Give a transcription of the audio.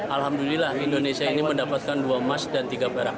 alhamdulillah indonesia ini mendapatkan dua emas dan tiga perak